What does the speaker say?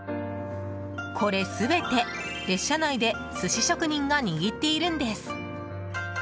これ全て、列車内で寿司職人が握っているんです。